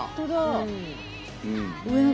うん。